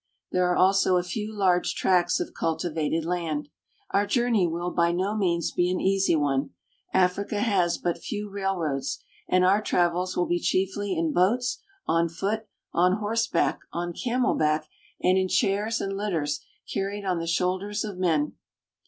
There are also a few large tracts of cultivated land. Our journey will by no means be an easy one. Africa has but few railroads, and our travels will be chiefly in boats, on foot, on horseback, on camel back, and in chairs and litters carried on the shoulders of men.